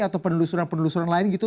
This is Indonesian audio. atau penelusuran penelusuran lain gitu